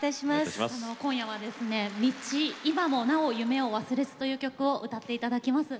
今夜は「みち今もなお夢を忘れず」という曲を歌って頂きます。